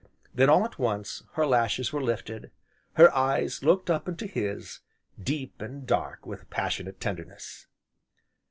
Then, all at once, her lashes were lifted, her eyes looked up into his deep and dark with passionate tenderness.